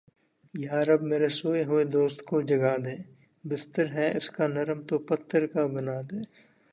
یا رب میرے سوئے ہوئے دوست کو جگا دے۔ بستر ہے اس کا نرم تو پتھر کا بنا دے